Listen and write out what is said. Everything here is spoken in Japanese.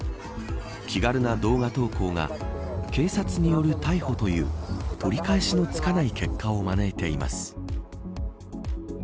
気軽な動画投稿が警察による逮捕という取り返しのつかない結果を招いています。